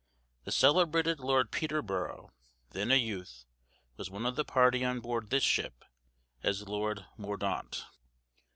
The celebrated Lord Peterborough, then a youth, was one of the party on board this ship, as Lord Mordaunt.